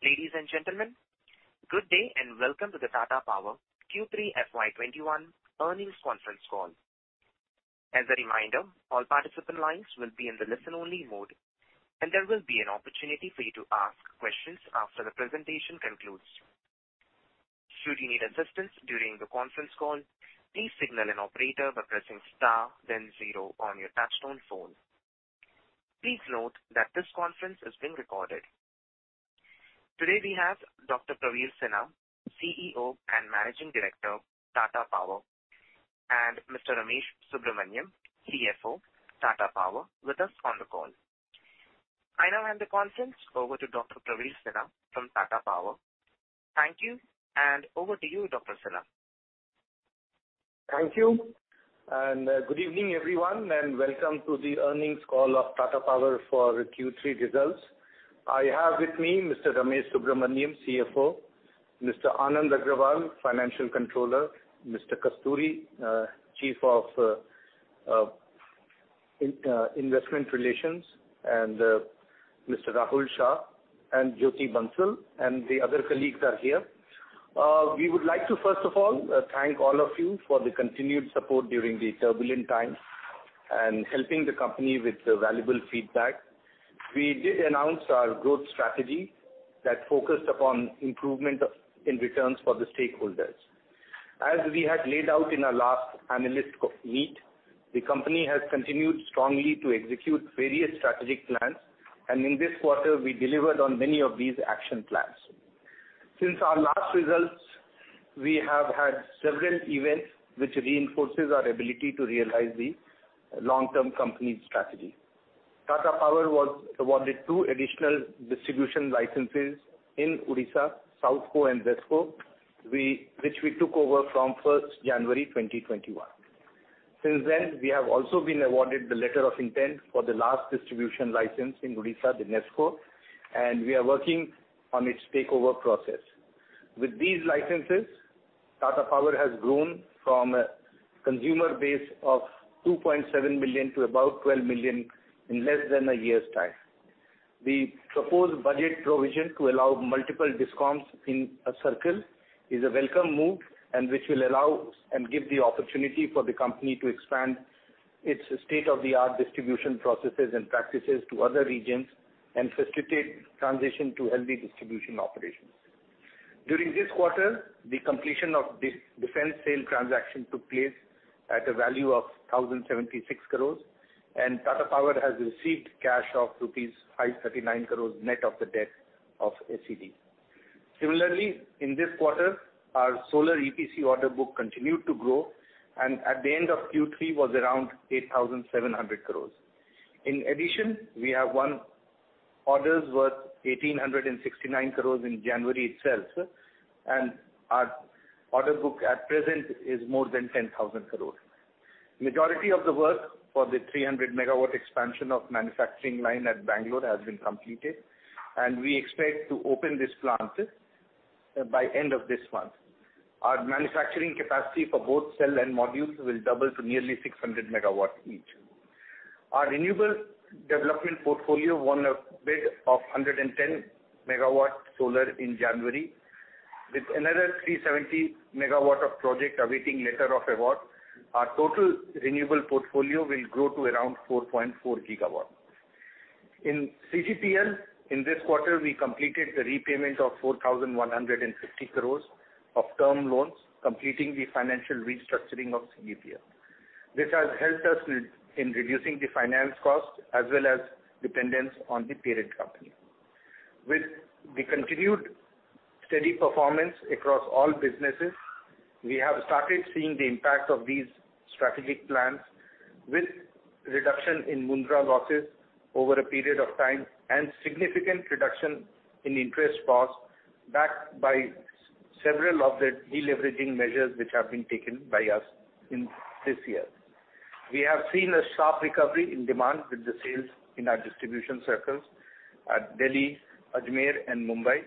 Ladies and gentlemen, good day and Welcome to the Tata Power Q3 FY 2021 Earnings Conference Call. As a reminder, all participant lines will be in the listen only mode, and there will be an opportunity for you to ask questions after the presentation concludes. Should you need assistance during the conference call, please signal an operator by pressing star then zero on your touchtone phone. Please note that this conference is being recorded. Today we have Dr. Praveer Sinha, CEO and Managing Director, Tata Power, and Mr. Ramesh Subramanyam, CFO, Tata Power, with us on the call. I now hand the conference over to Dr. Praveer Sinha from Tata Power. Thank you, over to you, Dr. Sinha. Thank you. Good evening, everyone, and welcome to the earnings call of Tata Power for Q3 results. I have with me Mr. Ramesh Subramanyam, CFO, Mr. Anand Agarwal, Financial Controller, Mr. Kasturi, Chief of Investor Relations, and Mr. Rahul Shah and Jyoti Bansal, and the other colleagues are here. We would like to, first of all, thank all of you for the continued support during the turbulent times and helping the company with the valuable feedback. We did announce our growth strategy that focused upon improvement in returns for the stakeholders. As we had laid out in our last analyst meet, the company has continued strongly to execute various strategic plans, and in this quarter, we delivered on many of these action plans. Since our last results, we have had several events which reinforces our ability to realize the long-term company strategy. Tata Power was awarded two additional distribution licenses in Odisha, SOUTHCO and WESCO, which we took over from 1st January 2021. Since then, we have also been awarded the letter of intent for the last distribution license in Odisha, the NESCO, and we are working on its takeover process. With these licenses, Tata Power has grown from a consumer base of 2.7 million to about 12 million in less than one year's time. The proposed budget provision to allow multiple DISCOMs in a circle is a welcome move, and which will allow and give the opportunity for the company to expand its state-of-the-art distribution processes and practices to other regions and facilitate transition to healthy distribution operations. During this quarter, the completion of defense sale transaction took place at a value of 1,076 crores, and Tata Power has received cash of rupees 539 crores net of the debt of SED. Similarly, in this quarter, our solar EPC order book continued to grow, and at the end of Q3 was around 8,700 crores. In addition, we have won orders worth 1,869 crores in January itself, and our order book at present is more than 10,000 crores. Majority of the work for the 300 MW expansion of manufacturing line at Bangalore has been completed, and we expect to open this plant by end of this month. Our manufacturing capacity for both cell and modules will double to nearly 600 MW each. Our renewable development portfolio won a bid of 110 MW solar in January. With another 370 MW of project awaiting letter of award, our total renewable portfolio will grow to around 4.4 GW. In CGPL, in this quarter, we completed the repayment of 4,150 crore of term loans, completing the financial restructuring of CGPL. This has helped us in reducing the finance cost as well as dependence on the parent company. With the continued steady performance across all businesses, we have started seeing the impact of these strategic plans with reduction in Mundra losses over a period of time and significant reduction in interest costs, backed by several of the deleveraging measures which have been taken by us in this year. We have seen a sharp recovery in demand with the sales in our distribution circles at Delhi, Ajmer, and Mumbai,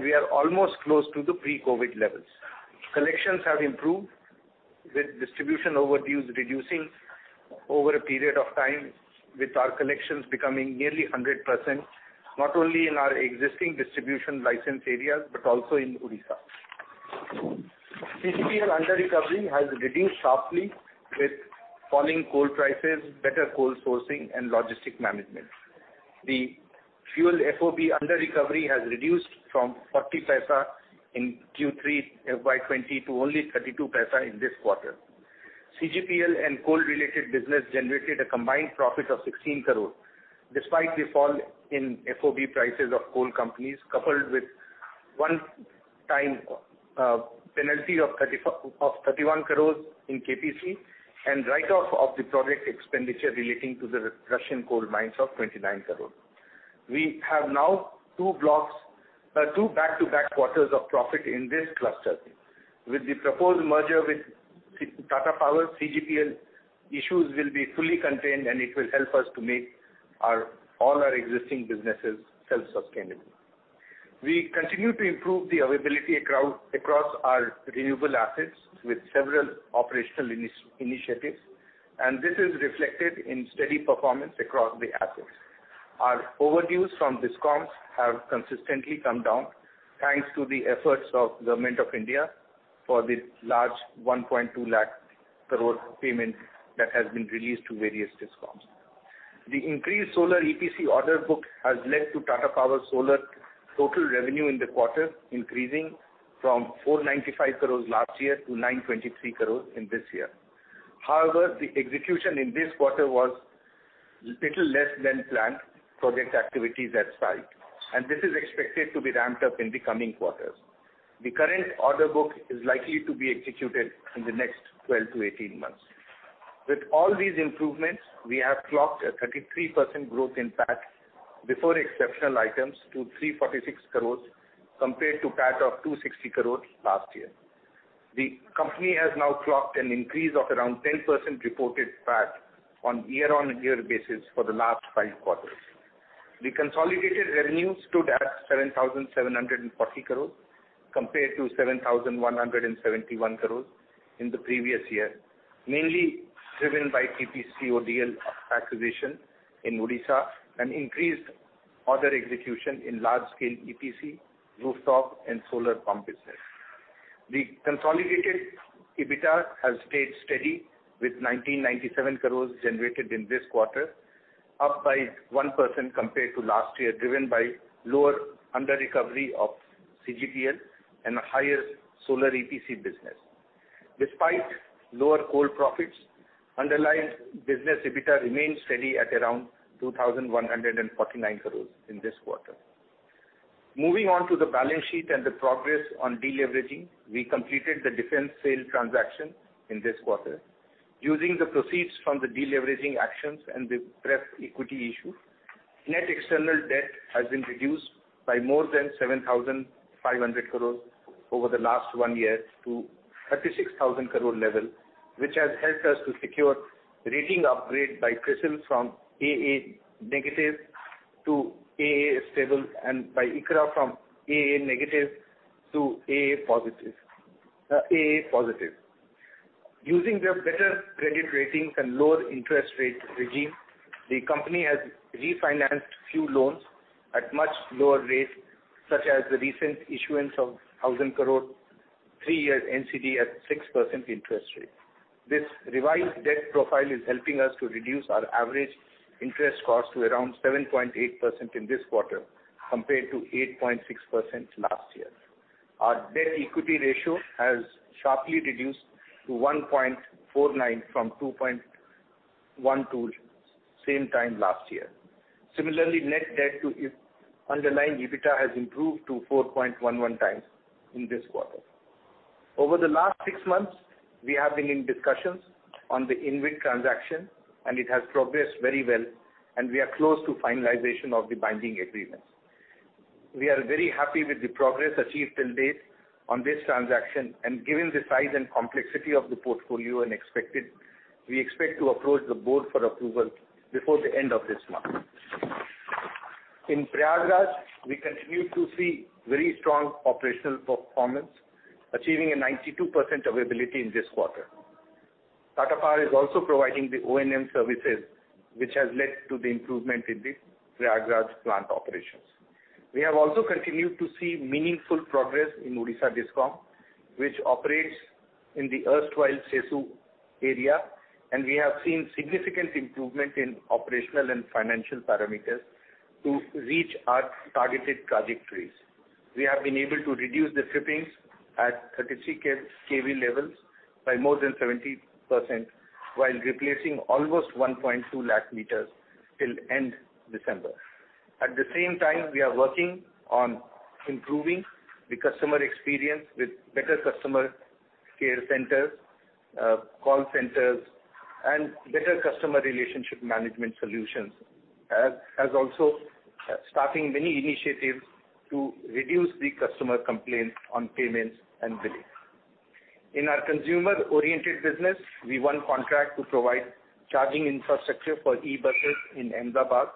we are almost close to the pre-COVID levels. Collections have improved, with distribution overviews reducing over a period of time, with our collections becoming nearly 100%, not only in our existing distribution license areas, but also in Odisha. CGPL under recovery has reduced sharply with falling coal prices, better coal sourcing, and logistic management. The fuel FOB under recovery has reduced from 40 in Q3 FY 2020 to only 32 in this quarter. CGPL and coal related business generated a combined profit of 16 crore, despite the fall in FOB prices of coal companies, coupled with one time penalty of 31 crore in KPC, and write-off of the project expenditure relating to the Russian coal mines of 29 crore. We have now two back-to-back quarters of profit in this cluster. With the proposed merger with Tata Power, CGPL issues will be fully contained, and it will help us to make all our existing businesses self-sustainable. We continue to improve the availability across our renewable assets with several operational initiatives. This is reflected in steady performance across the assets. Our overdues from DISCOMs have consistently come down, thanks to the efforts of Government of India for the large 1.2 lakh crore payment that has been released to various DISCOMs. The increased solar EPC order book has led to Tata Power's Solar total revenue in the quarter increasing from 495 crore last year to 923 crore in this year. The execution in this quarter was little less than planned project activities at site, and this is expected to be ramped up in the coming quarters. The current order book is likely to be executed in the next 12 to 18 months. With all these improvements, we have clocked a 33% growth in PAT before exceptional items to 346 crores compared to PAT of 260 crores last year. The company has now clocked an increase of around 10% reported PAT on year-on-year basis for the last five quarters. The consolidated revenue stood at 7,740 crores compared to 7,171 crores in the previous year, mainly driven by TPCODL acquisition in Odisha and increased order execution in large scale EPC, rooftop, and solar pump business. The consolidated EBITDA has stayed steady with 1,997 crores generated in this quarter, up by 1% compared to last year, driven by lower under recovery of CGPL and higher solar EPC business. Despite lower coal profits, underlying business EBITDA remains steady at around 2,149 crores in this quarter. Moving on to the balance sheet and the progress on deleveraging. We completed the defense sale transaction in this quarter. Using the proceeds from the deleveraging actions and the pref equity issue, net external debt has been reduced by more than 7,500 crores over the last one year to 36,000 crore level, which has helped us to secure rating upgrade by CRISIL from AA- to AA stable and by ICRA from AA- to AA+. Using the better credit rating and lower interest rate regime, the company has refinanced few loans at much lower rate, such as the recent issuance of 1,000 crore three-year NCD at 6% interest rate. This revised debt profile is helping us to reduce our average interest cost to around 7.8% in this quarter compared to 8.6% last year. Our debt equity ratio has sharply reduced to 1.49 from 2.12 same time last year. Similarly, net debt to underlying EBITDA has improved to 4.11x in this quarter. Over the last six months, we have been in discussions on the InvIT transaction. It has progressed very well. We are close to finalization of the binding agreement. We are very happy with the progress achieved till date on this transaction. Given the size and complexity of the portfolio, we expect to approach the Board for approval before the end of this month. In Prayagraj, we continue to see very strong operational performance, achieving a 92% availability in this quarter. Tata Power is also providing the O&M services, which has led to the improvement in the Prayagraj plant operations. We have also continued to see meaningful progress in Odisha DISCOM, which operates in the erstwhile CESU area. We have seen significant improvement in operational and financial parameters to reach our targeted trajectories. We have been able to reduce the trippings at 33 kV levels by more than 70% while replacing almost 1.2 lakh meters till end December. At the same time, we are working on improving the customer experience with better customer care centers, call centers, and better customer relationship management solutions, as also starting many initiatives to reduce the customer complaints on payments and bills. In our consumer-oriented business, we won contract to provide charging infrastructure for e-buses in Ahmedabad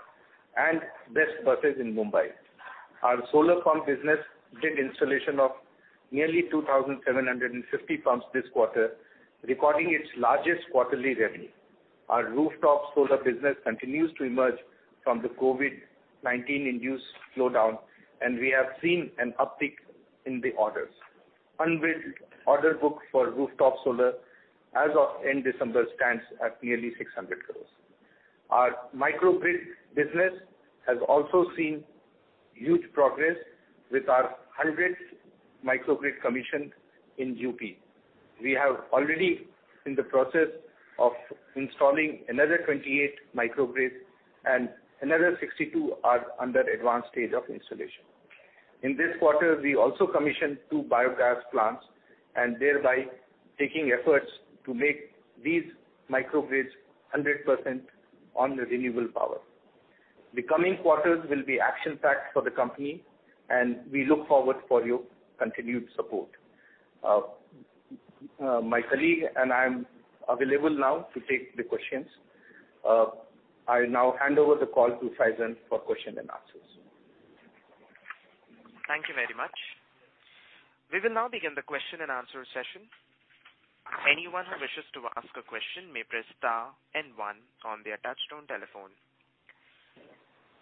and BEST buses in Mumbai. Our solar pump business did installation of nearly 2,750 pumps this quarter, recording its largest quarterly revenue. Our rooftop solar business continues to emerge from the COVID-19 induced slowdown, and we have seen an uptick in the orders. Unbilled order book for rooftop solar as of end December stands at nearly 600 crores. Our microgrid business has also seen huge progress with our 100th microgrid commission in UP. We have already in the process of installing another 28 microgrids and another 62 are under advanced stage of installation. In this quarter, we also commissioned two biogas plants and thereby taking efforts to make these microgrids 100% on renewable power. The coming quarters will be action-packed for the company, and we look forward for your continued support. My colleague and I am available now to take the questions. I now hand over the call to Faizan for question and answers. Thank you very much. We will now begin the question and answer session. Just to ask a question, may press star one on their touchtone telephone.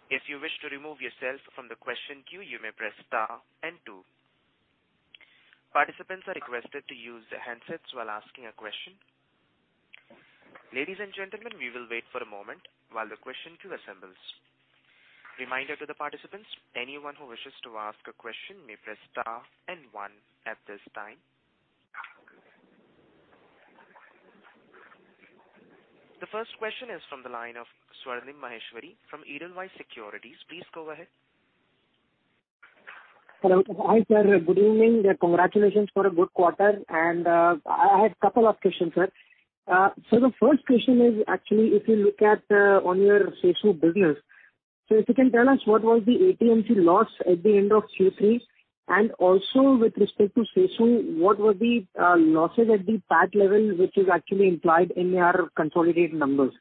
If you wish to remove yourself from the question queue, you may press star and two. Participants are requested to use the handsets while asking a question. Ladies and gentlemen, we will wait for a moment while the question queue assemble. Reminder to the participants, anyone who wishes to ask a question may press star one at this time .The first question is from the line of Swarnim Maheshwari from Edelweiss Securities. Please go ahead. Hello. Hi, sir. Good evening. Congratulations for a good quarter. I had two questions, sir. Sir, the first question is actually if you look at on your CESU business, sir, if you can tell us what was the AT&C loss at the end of Q3, and also with respect to CESU, what was the losses at the PAT level, which is actually implied in your consolidated numbers?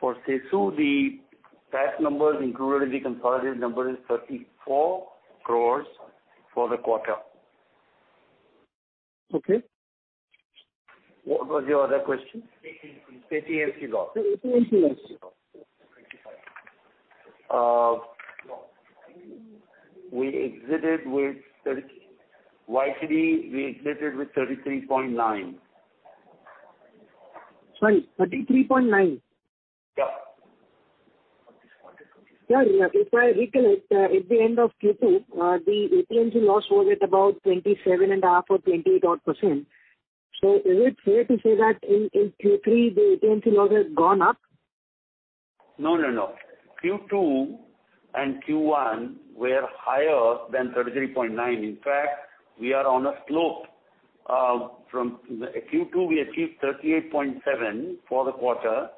For CESU, the PAT numbers included in the consolidated number is 34 crores for the quarter. Okay. What was your other question? AT&C loss. AT&C loss. YTD, we exited with 33.9%. Sorry, 33.9%? Yeah. Sir, if I recollect, at the end of Q2, the AT&C loss was at about 27% and a half or 28 odd percent. Is it fair to say that in Q3 the AT&C loss has gone up? No, no. Q2 and Q1 were higher than 33.9%. In fact, we are on a slope. From Q2, we achieved 38.7% for the quarter.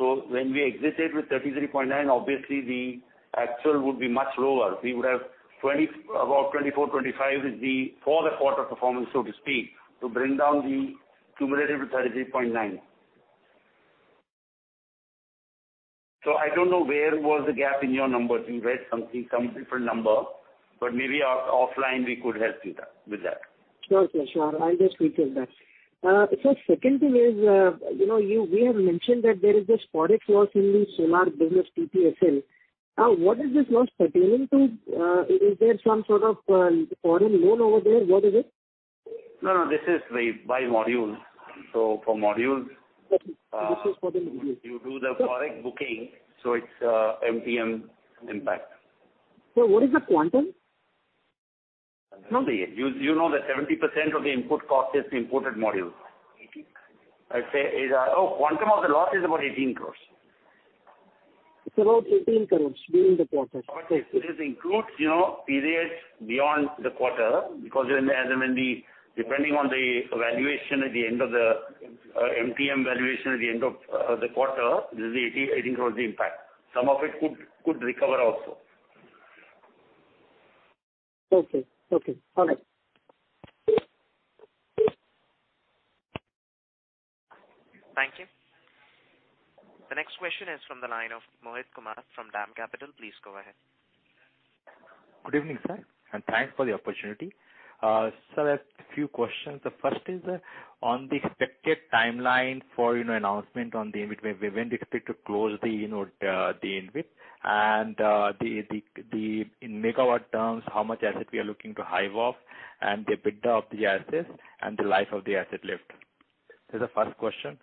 When we exited with 33.9%, obviously the actual would be much lower. We would have about 24%, 25% is the for the quarter performance, so to speak, to bring down the cumulative to 33.9%. I don't know where was the gap in your numbers. You read some different number, maybe offline we could help you with that. Sure, sir. Sure. I'll just recheck that. Second thing is, we have mentioned that there is a sporadic loss in the solar business, TPSSL. What is this loss pertaining to? Is there some sort of foreign loan over there? What is it? No, no, this is by module. Okay. This is for the module. you do the correct booking, so it's MTM impact. Sir, what is the quantum? You know that 70% of the input cost is the imported module. quantum of the loss is about 18 crore. It's about 18 crores during the quarter. This includes periods beyond the quarter because depending on the valuation at the end of the MTM valuation at the end of the quarter, this is the 18 crores impact. Some of it could recover also. Okay. All right. Thank you. The next question is from the line of Mohit Kumar from DAM Capital. Please go ahead. Good evening, sir, and thanks for the opportunity. Sir, a few questions. The first is on the expected timeline for announcement on the InvIT, when do you expect to close the InvIT, and in megawatt terms, how much asset we are looking to hive off, and the EBITDA of the assets and the life of the asset left. This is the first question.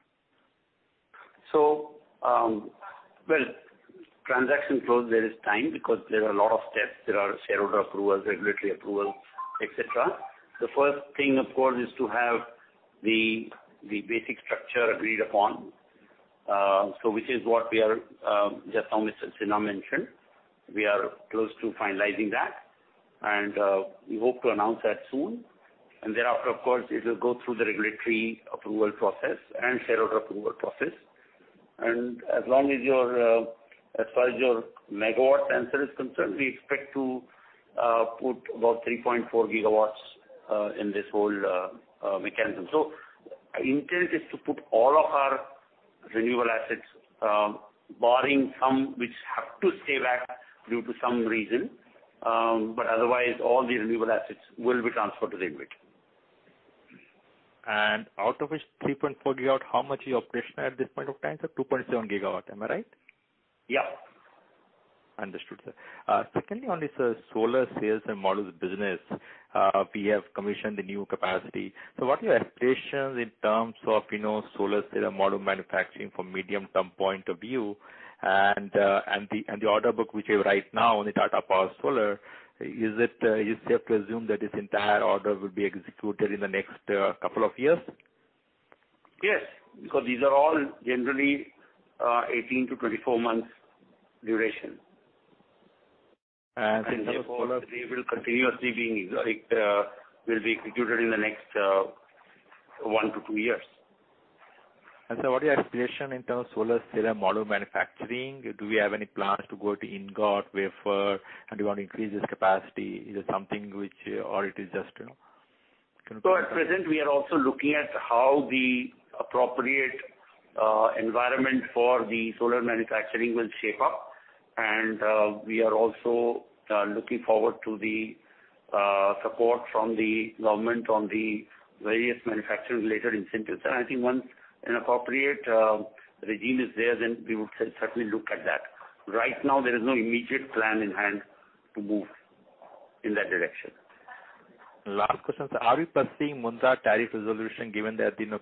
Well, transaction close, there is time because there are a lot of steps. There are shareholder approvals, regulatory approvals, et cetera. The first thing, of course, is to have the basic structure agreed upon, which is what just now Mr. Sinha mentioned. We are close to finalizing that, and we hope to announce that soon. Thereafter, of course, it will go through the regulatory approval process and shareholder approval process. As far as your megawatt answer is concerned, we expect to put about 3.4 GW in this whole mechanism. Our intent is to put all of our renewable assets, barring some which have to stay back due to some reason. Otherwise, all the renewable assets will be transferred to the InvIT. Out of which 3.4 GW, how much is your position at this point of time, sir? 2.7 GW, am I right? Yeah. Understood, sir. On this solar sales and modules business, we have commissioned the new capacity. What are your expectations in terms of solar sales and module manufacturing from medium-term point of view, and the order book which you have right now on the Tata Power Solar, is it safe to assume that this entire order will be executed in the next couple of years? Yes, because these are all generally 18 to 24 months duration. And solar- Therefore they will continuously being executed in the next one to two years. Sir, what are your aspirations in terms of solar cell and module manufacturing? Do we have any plans to go to ingot, wafer? Do you want to increase this capacity? Is it something which, or it is just, you know? At present, we are also looking at how the appropriate environment for the solar manufacturing will shape up. We are also looking forward to the support from the government on the various manufacturing related incentives. I think once an appropriate regime is there, then we would certainly look at that. Right now, there is no immediate plan in hand to move in that direction. Last question, sir. Are we pricing Mundra tariff resolution, given that in the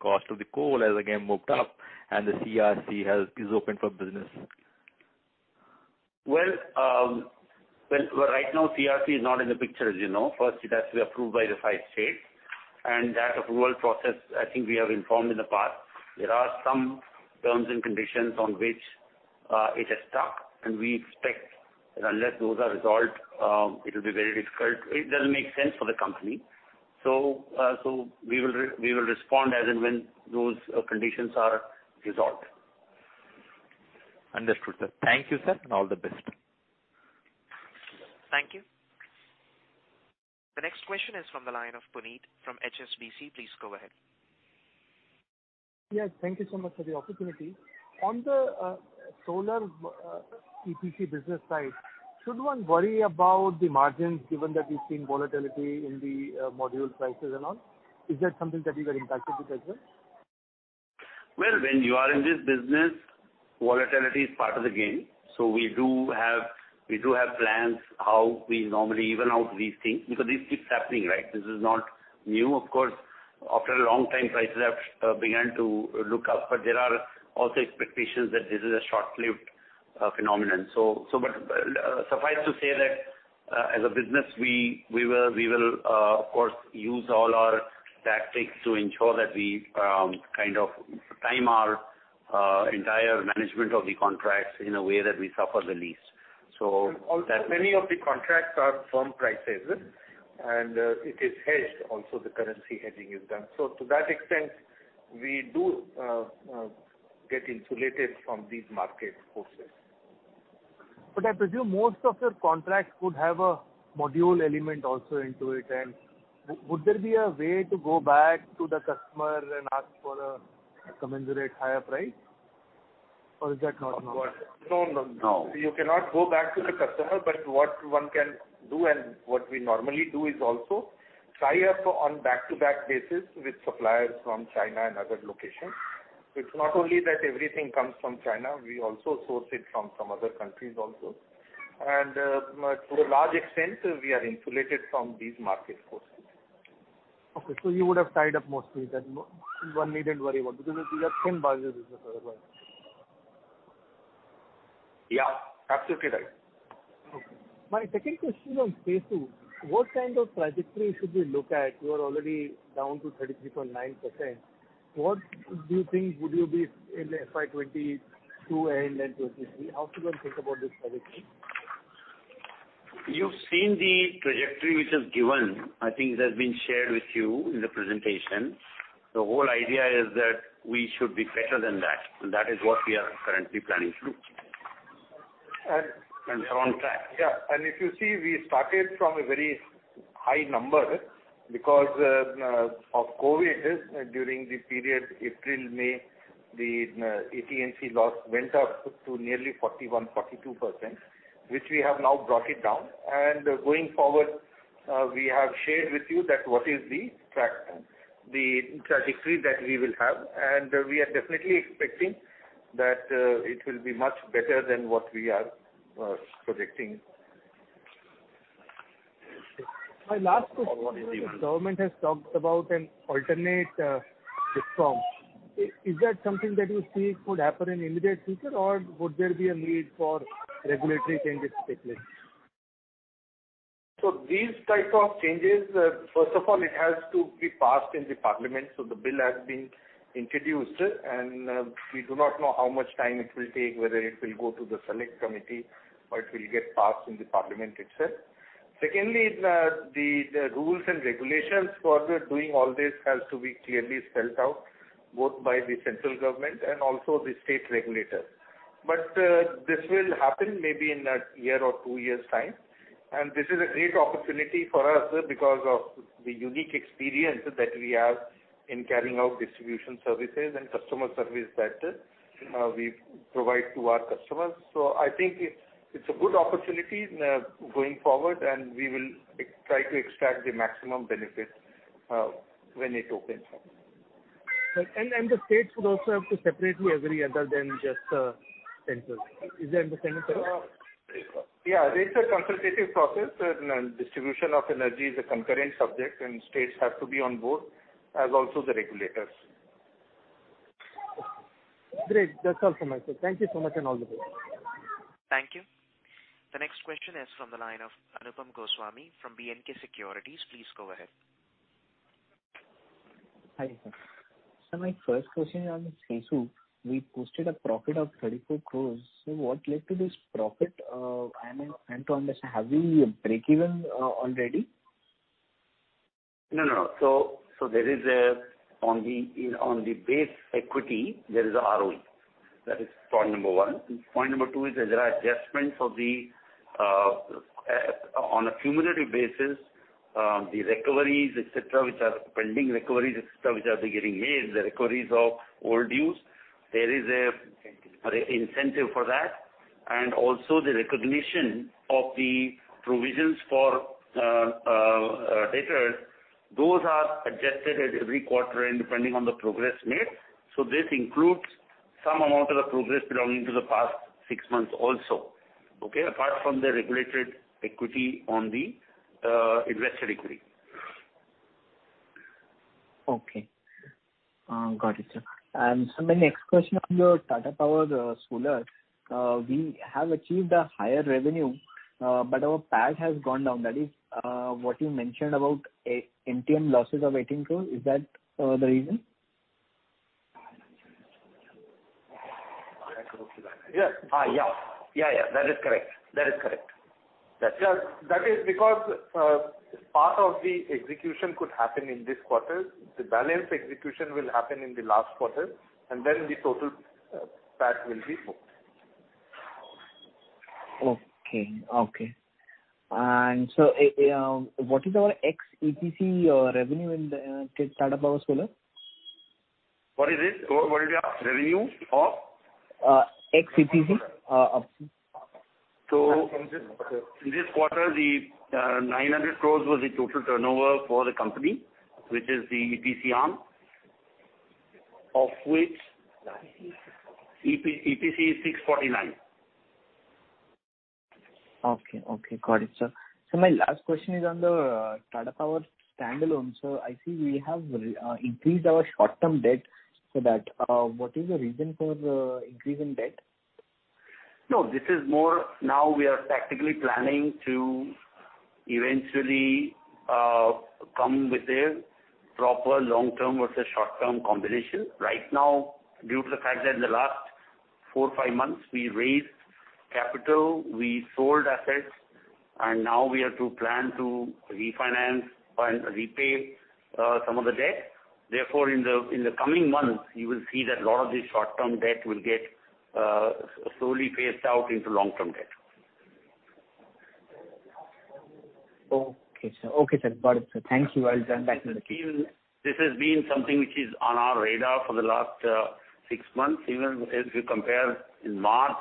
cost of the coal has again moved up and the CERC is open for business? Well, right now CERC is not in the picture, as you know. First, it has to be approved by the five states. That approval process, I think we have informed in the past. There are some terms and conditions on which it has stuck, and we expect that unless those are resolved, it will be very difficult. It doesn't make sense for the company. We will respond as and when those conditions are resolved. Understood, sir. Thank you, sir, and all the best. Thank you. The next question is from the line of Puneet from HSBC. Please go ahead. Yes, thank you so much for the opportunity. On the solar EPC business side, should one worry about the margins given that we've seen volatility in the module prices and all? Is that something that you get impacted with as well? When you are in this business, volatility is part of the game. We do have plans how we normally even out these things, because this keeps happening, right? This is not new. Of course, after a long time, prices have began to look up. There are also expectations that this is a short-lived phenomenon. Suffice to say that as a business, we will, of course, use all our tactics to ensure that we time our entire management of the contracts in a way that we suffer the least. Also, many of the contracts are firm prices. It is hedged. Also, the currency hedging is done. To that extent, we do get insulated from these market forces. I presume most of your contracts would have a module element also into it. Would there be a way to go back to the customer and ask for a commensurate higher price? Is that not possible? Of course. No, no. You cannot go back to the customer. What one can do, and what we normally do is also tie up on back-to-back basis with suppliers from China and other locations. It's not only that everything comes from China. We also source it from some other countries also. To a large extent, we are insulated from these market forces. Okay, you would have tied up mostly then. One needn't worry about it. These are thin margin business otherwise. Yeah, absolutely right. Okay. My second question on CESU. What kind of trajectory should we look at? You are already down to 33.9%. What do you think would you be in FY 2022 and then 2023? How should one think about this trajectory? You've seen the trajectory which is given. I think it has been shared with you in the presentation. The whole idea is that we should be better than that. That is what we are currently planning to do. We are on track. Yeah. If you see, we started from a very high number because of COVID during the period April, May, the AT&C loss went up to nearly 41%, 42%, which we have now brought it down. Going forward, we have shared with you that what is the trajectory that we will have. We are definitely expecting that it will be much better than what we are projecting. My last question is, the government has talked about an alternate system. Is that something that you see could happen in immediate future, or would there be a need for regulatory changes to take place? These type of changes, first of all, it has to be passed in the Parliament. The bill has been introduced, and we do not know how much time it will take, whether it will go to the select committee or it will get passed in the Parliament itself. Secondly, the rules and regulations for doing all this has to be clearly spelt out, both by the Central Government and also the state regulators. This will happen maybe in one year or two years time. This is a great opportunity for us because of the unique experience that we have in carrying out distribution services and customer service that we provide to our customers. I think it's a good opportunity going forward, and we will try to extract the maximum benefit when it opens up. The states would also have to separately agree other than just central. Is that understanding correct? Yeah. It's a consultative process and distribution of energy is a concurrent subject, and states have to be on board, as also the regulators. Great. That's all from my side. Thank you so much and all the best. Thank you. The next question is from the line of Anupam Goswami from B&K Securities. Please go ahead. Hi, sir. Sir, my first question is on CESU. We posted a profit of 34 crore. What led to this profit? I'm trying to understand, have we break even already? No. On the base equity, there is a ROE. That is point number one. Point number two is there are adjustments on a cumulative basis, the recoveries, et cetera, which are pending recoveries, et cetera, which are getting made, the recoveries of old dues. There is an incentive for that, and also the recognition of the provisions for debtors. Those are adjusted at every quarter and depending on the progress made. This includes some amount of the progress belonging to the past six months also, okay. Apart from the regulated equity on the investor equity. Okay. Got it, sir. My next question on the Tata Power Solar. We have achieved a higher revenue, but our PAT has gone down. That is what you mentioned about MTM losses of INR 18 crores. Is that the reason? Yes. That is correct. That is because part of the execution could happen in this quarter. The balance execution will happen in the last quarter. Then the total PAT will be booked. Okay. What is our ex-EPC revenue in the Tata Power Solar? What is it? What is our revenue of? Ex EPC. In this quarter, the 900 crores was the total turnover for the company, which is the EPC arm. Of which EPC is INR 649. Okay. Got it, sir. My last question is on the Tata Power standalone. I see we have increased our short-term debt. What is the reason for increase in debt? This is more now we are tactically planning to eventually come with a proper long-term versus short-term combination. Right now, due to the fact that in the last four, five months we raised capital, we sold assets, and now we have to plan to refinance and repay some of the debt. Therefore, in the coming months, you will see that a lot of the short-term debt will get slowly phased out into long-term debt. Okay, sir. Got it, sir. Thank you. I'll return back to the queue. This has been something which is on our radar for the last six months, even if you compare in March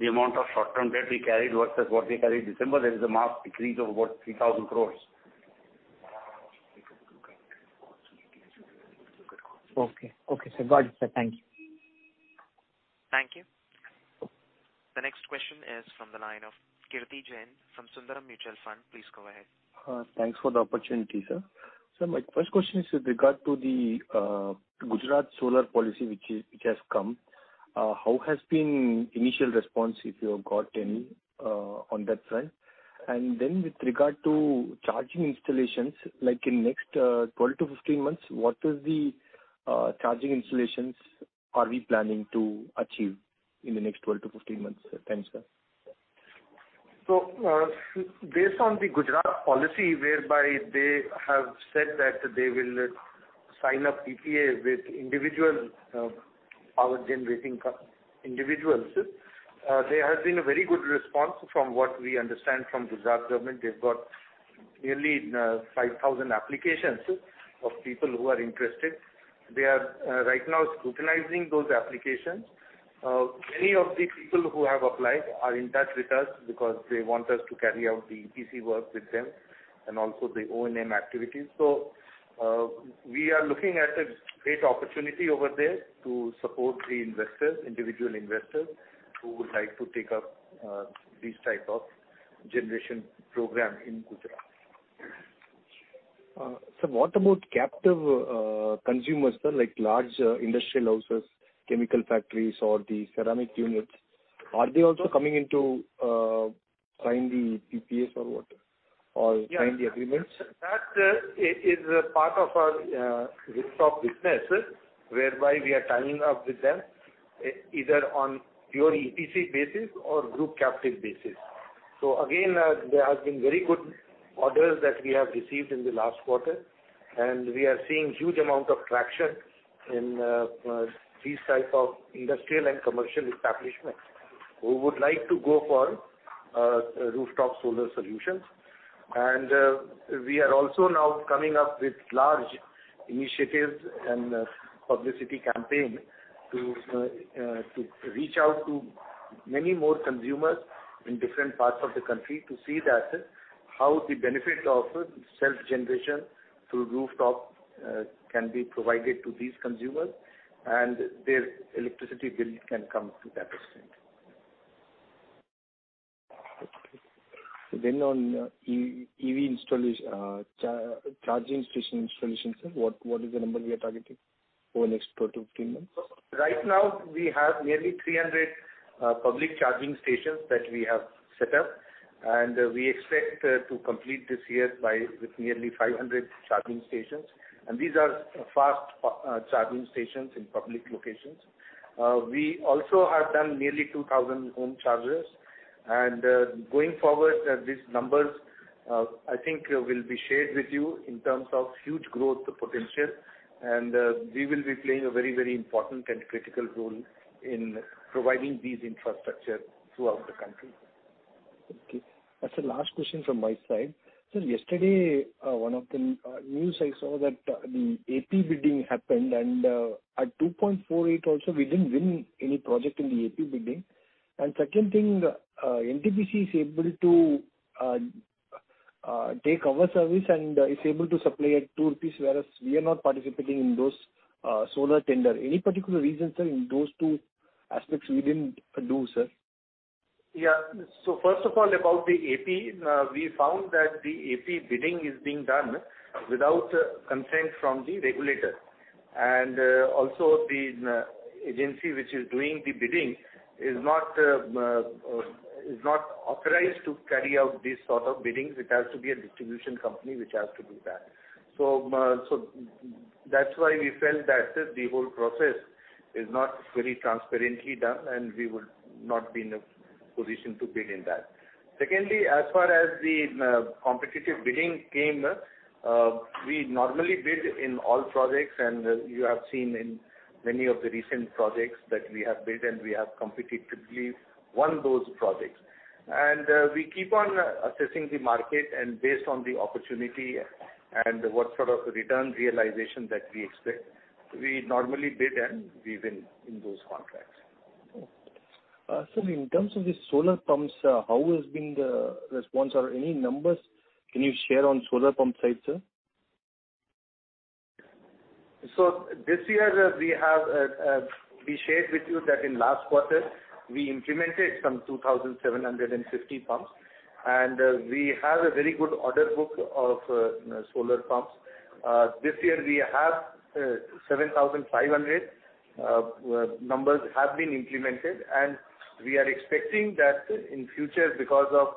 the amount of short-term debt we carried versus what we carried December, there is a marked decrease of about 3,000 crore. Okay, sir. Got it, sir. Thank you. Thank you. The next question is from the line of Kirthi Jain from Sundaram Mutual Fund. Please go ahead. Thanks for the opportunity, sir. Sir, my first question is with regard to the Gujarat Solar Policy, which has come. How has been initial response, if you have got any, on that front? Then with regard to charging installations, like in next 12 to 15 months, what is the charging installations are we planning to achieve in the next 12 to 15 months? Thanks, sir. Based on the Gujarat policy, whereby they have said that they will sign a PPA with individual power generating individuals. There has been a very good response from what we understand from Gujarat Government. They've got nearly 5,000 applications of people who are interested. They are right now scrutinizing those applications. Many of the people who have applied are in touch with us because they want us to carry out the EPC work with them and also the O&M activities. We are looking at a great opportunity over there to support the investors, individual investors, who would like to take up this type of generation program in Gujarat. Sir, what about captive consumers, sir, like large industrial houses, chemical factories, or the ceramic units? Are they also coming into sign the PPAs or what, or sign the agreements? That is a part of our rooftop business, whereby we are tying up with them either on pure EPC basis or group captive basis. Again, there has been very good orders that we have received in the last quarter, and we are seeing huge amount of traction in these type of industrial and commercial establishments who would like to go for rooftop solar solutions. We are also now coming up with large initiatives and publicity campaign to reach out to many more consumers in different parts of the country to see that how the benefit of self-generation through rooftop can be provided to these consumers, and their electricity bill can come to that extent. Okay. on EV charging station installations, sir, what is the number we are targeting over the next 12 to 15 months? Right now, we have nearly 300 public charging stations that we have set up, and we expect to complete this year with nearly 500 charging stations. These are fast charging stations in public locations. We also have done nearly 2,000 home chargers. Going forward, these numbers, I think will be shared with you in terms of huge growth potential. We will be playing a very important and critical role in providing these infrastructure throughout the country. Okay. That's the last question from my side. Sir, yesterday, one of the news I saw that the AP bidding happened and at 2.48 also we didn't win any project in the AP bidding. Second thing, NTPC is able to take our service and is able to supply at 2 rupees, whereas we are not participating in those solar tender. Any particular reason, sir, in those two aspects we didn't do, sir? First of all, about the AP, we found that the AP bidding is being done without consent from the regulator. Also the agency which is doing the bidding is not authorized to carry out these sort of biddings. It has to be a distribution company which has to do that. That's why we felt that the whole process is not very transparently done, and we would not be in a position to bid in that. Secondly, as far as the competitive bidding came, we normally bid in all projects, and you have seen in many of the recent projects that we have bid and we have competitively won those projects. We keep on assessing the market, and based on the opportunity and what sort of return realization that we expect, we normally bid and we win in those contracts. Okay. Sir, in terms of the solar pumps, how has been the response, or any numbers can you share on solar pump side, sir? This year, we shared with you that in last quarter we implemented some 2,750 pumps, and we have a very good order book of solar pumps. This year we have 7,500 numbers have been implemented, and we are expecting that in future, because of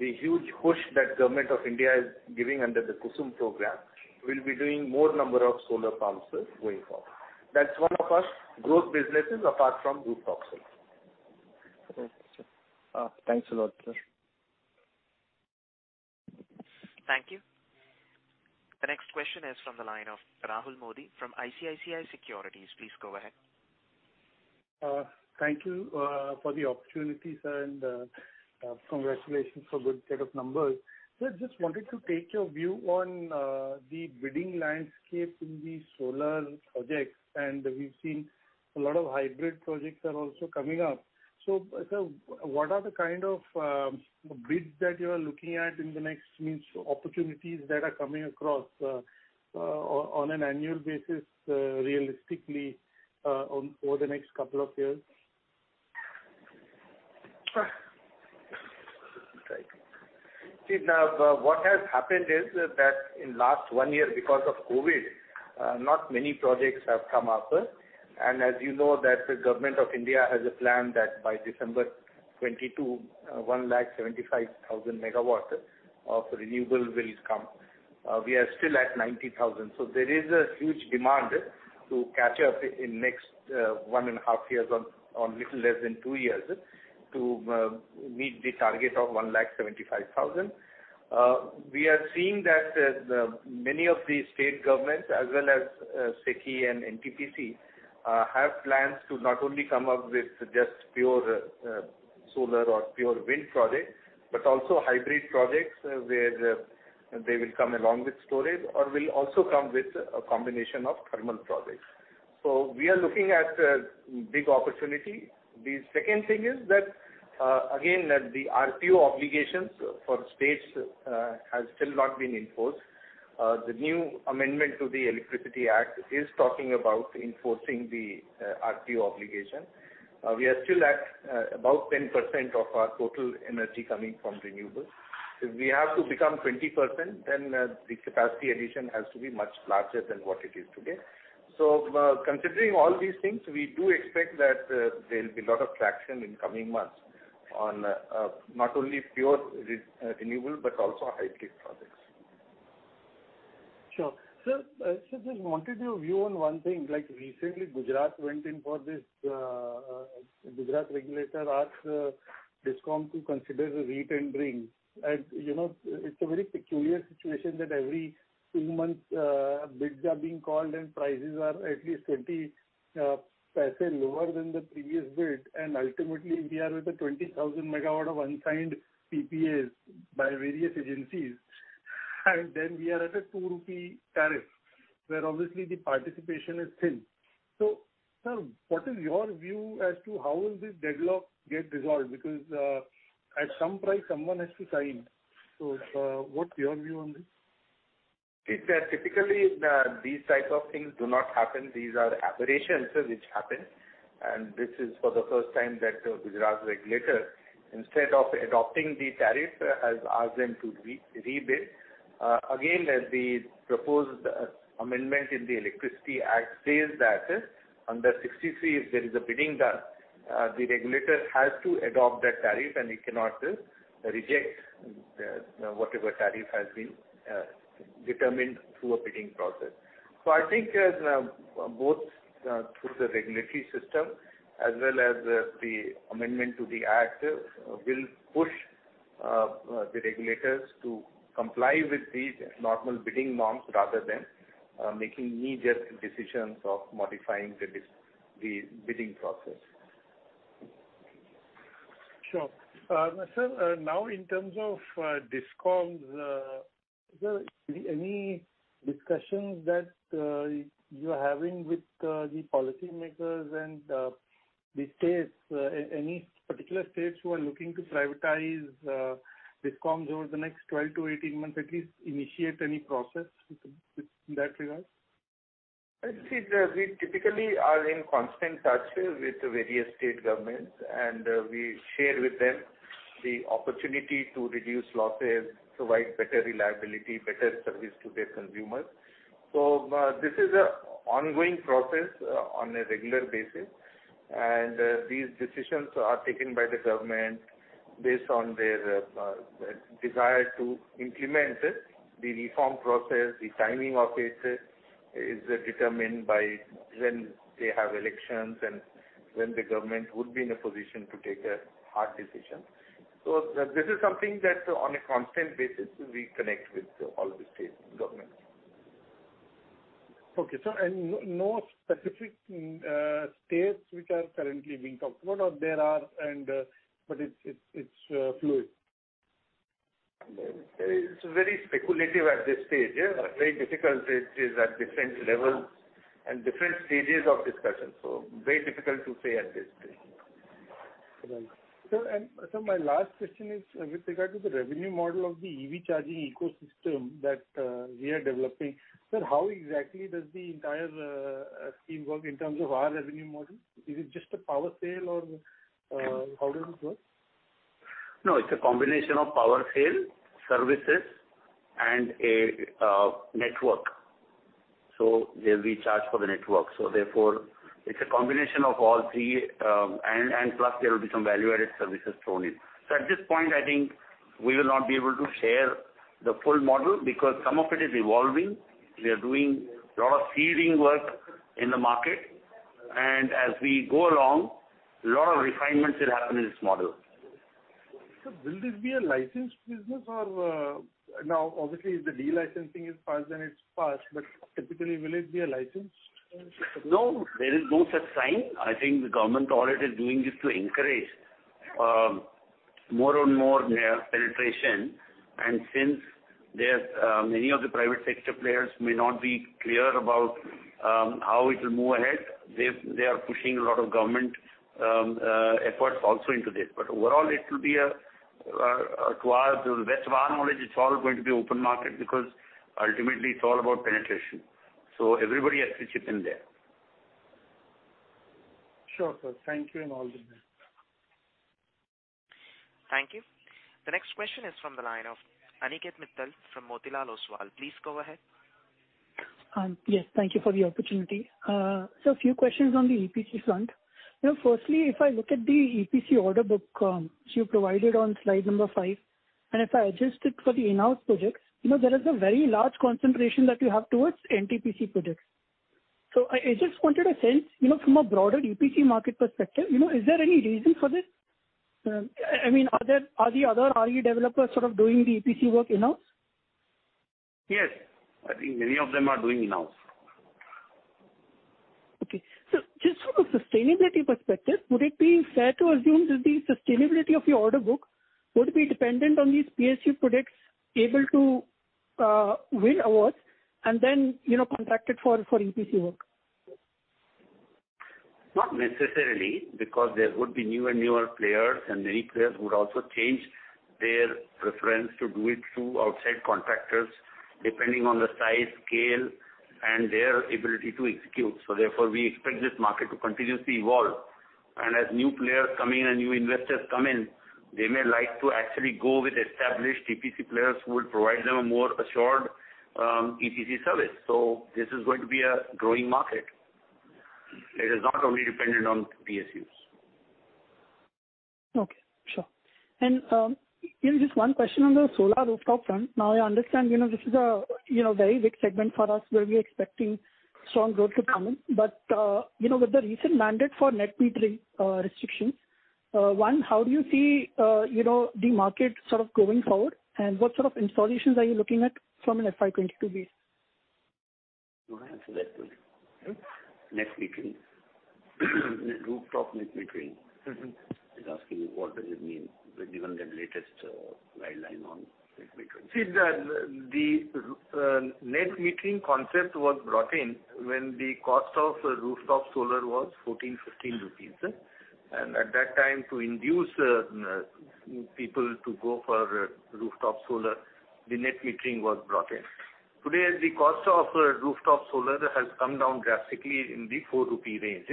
the huge push that government of India is giving under the KUSUM program, we'll be doing more number of solar pumps going forward. That's one of our growth businesses apart from rooftop solar. Okay, sir. Thanks a lot, sir. Thank you. The next question is from the line of Rahul Modi from ICICI Securities. Please go ahead. Thank you for the opportunity, sir, and congratulations for good set of numbers. Sir, just wanted to take your view on the bidding landscape in the solar projects, and we've seen a lot of hybrid projects are also coming up. Sir, what are the kind of bids that you are looking at in the next, means, opportunities that are coming across on an annual basis, realistically, over the next couple of years? What has happened is that in last one year, because of COVID, not many projects have come up. As you know that the Government of India has a plan that by December 2022, 175,000 MW of renewable will come. We are still at 90,000 MW. There is a huge demand to catch up in next one and a half years or little less than two years to meet the target of 175,000 MW. We are seeing that many of the state governments, as well as SECI and NTPC, have plans to not only come up with just pure solar or pure wind projects, but also hybrid projects where they will come along with storage or will also come with a combination of thermal projects. The second thing is that, again, the RPO obligations for states has still not been enforced. The new amendment to the Electricity Act is talking about enforcing the RPO obligation. We are still at about 10% of our total energy coming from renewables. If we have to become 20%, the capacity addition has to be much larger than what it is today. Considering all these things, we do expect that there'll be a lot of traction in coming months on not only pure renewables, but also hybrid projects. Sure. Sir, just wanted your view on one thing. Recently Gujarat went in for Gujarat regulator asked DISCOM to consider re-tendering. It's a very peculiar situation that every two months bids are being called, and prices are at least 20 paise lower than the previous bid. Ultimately, we are with a 20,000 MW of unsigned PPAs by various agencies. We are at an 2 rupee tariff, where obviously the participation is thin. Sir, what is your view as to how will this deadlock get resolved? Because at some price someone has to sign. Sir, what's your view on this? See, typically, these type of things do not happen. These are aberrations which happen, and this is for the first time that Gujarat regulator, instead of adopting the tariff, has asked them to re-bid. Again, the proposed amendment in the Electricity Act says that under 63, if there is a bidding done, the regulator has to adopt that tariff and he cannot reject whatever tariff has been bid. Determined through a bidding process. I think both through the regulatory system as well as the amendment to the Act will push the regulators to comply with these normal bidding norms rather than making knee jerk decisions of modifying the bidding process. Sure. Sir, now in terms of DISCOMs, is there any discussions that you are having with the policymakers and the states? Any particular states who are looking to privatize DISCOMs over the next 12 to18 months, at least initiate any process in that regard? You see, we typically are in constant touch with the various state governments, and we share with them the opportunity to reduce losses, provide better reliability, better service to their consumers. This is an ongoing process on a regular basis. These decisions are taken by the government based on their desire to implement the reform process. The timing of it is determined by when they have elections and when the government would be in a position to take a hard decision. This is something that on a constant basis, we connect with all the state governments. Okay. No specific states which are currently being talked about, or there are, but it's fluid? It's very speculative at this stage. Very difficult. It is at different levels and different stages of discussion. Very difficult to say at this stage. Right. Sir, my last question is with regard to the revenue model of the EV charging ecosystem that we are developing. Sir, how exactly does the entire scheme work in terms of our revenue model? Is it just a power sale, or how does it work? No, it's a combination of power sale, services, and a network. They'll be charged for the network. Therefore, it's a combination of all three, and plus there will be some value added services thrown in. At this point, I think we will not be able to share the full model because some of it is evolving. We are doing a lot of seeding work in the market, and as we go along, a lot of refinements will happen in this model. Sir, will this be a licensed business? Obviously, if the delicensing is passed, then it's passed. Typically, will it be a licensed business? No, there is no such sign. I think the government audit is doing this to encourage more and more penetration. Since many of the private sector players may not be clear about how it will move ahead, they are pushing a lot of government efforts also into this. Overall, to the best of our knowledge, it's all going to be open market because ultimately it's all about penetration. Everybody has to chip in there. Sure, sir. Thank you and all the best. Thank you. The next question is from the line of Aniket Mittal from Motilal Oswal. Please go ahead. Yes, thank you for the opportunity. Sir, a few questions on the EPC front. Firstly, if I look at the EPC order book which you provided on slide number five, and if I adjust it for the in-house projects, there is a very large concentration that you have towards NTPC projects. I just wanted a sense from a broader EPC market perspective, is there any reason for this? Are the other IPP developers sort of doing the EPC work in-house? Yes. I think many of them are doing in-house. Okay. Sir, just from a sustainability perspective, would it be fair to assume that the sustainability of your order book would be dependent on these PSU products able to win awards and then contracted for EPC work? Not necessarily, because there would be new and newer players, and many players would also change their preference to do it through outside contractors, depending on the size, scale, and their ability to execute. Therefore, we expect this market to continuously evolve. As new players come in and new investors come in, they may like to actually go with established EPC players who will provide them a more assured EPC service. This is going to be a growing market. It is not only dependent on PSUs. Okay, sure. Just one question on the solar rooftop front. Now, I understand this is a very big segment for us where we're expecting strong growth to come in. With the recent mandate for net metering restrictions, one, how do you see the market sort of going forward? What sort of installations are you looking at from an FY 2022 base? Do you want to answer that one? Yes. Net metering. Rooftop net metering. He's asking what does it mean, given the latest guideline on net metering. The net metering concept was brought in when the cost of rooftop solar was 14 rupees, INR 15. At that time, to induce people to go for rooftop solar, the net metering was brought in. Today, the cost of rooftop solar has come down drastically in the 4 rupee range.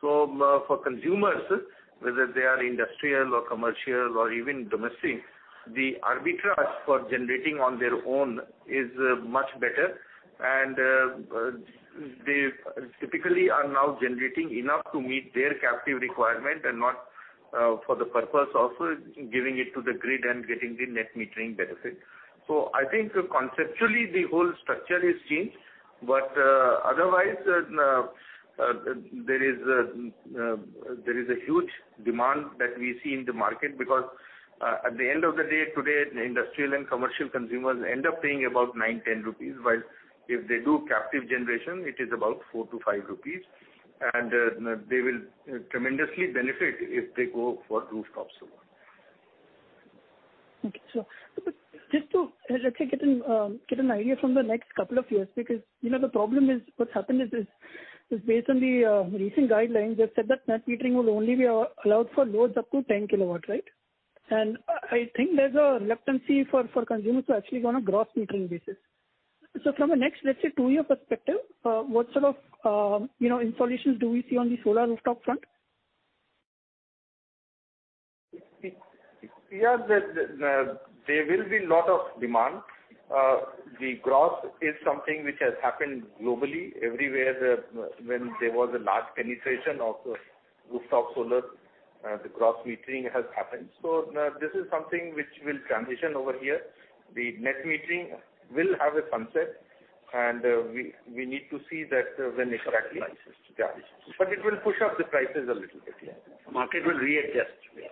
For consumers, whether they are industrial or commercial or even domestic, the arbitrage for generating on their own is much better. They typically are now generating enough to meet their captive requirement and not for the purpose of giving it to the grid and getting the net metering benefit. I think conceptually, the whole structure is changed. Otherwise, there is a huge demand that we see in the market, because at the end of the day, today, industrial and commercial consumers end up paying about 9, 10 rupees, whilst if they do captive generation, it is about 4 to 5 rupees. They will tremendously benefit if they go for rooftop solar. Okay, sure. Just to, let's say, get an idea from the next couple of years, because the problem is what's happened is, based on the recent guidelines, they've said that net metering will only be allowed for loads up to 10 kW, right? I think there's a reluctancy for consumers to actually go on a gross metering basis. From a next, let's say, two year perspective, what sort of installations do we see on the solar rooftop front? Yeah. There will be lot of demand. The gross is something which has happened globally. Everywhere when there was a large penetration of rooftop solar, the gross metering has happened. This is something which will transition over here. The net metering will have a sunset, and we need to see that when exactly. Push up prices. Yeah. It will push up the prices a little bit, Market will readjust. Yeah.